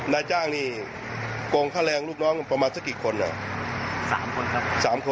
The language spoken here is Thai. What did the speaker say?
นายจ้างนี่โกงค่าแรงลูกน้องประมาณสักกี่คนเหรอ๓คนครับ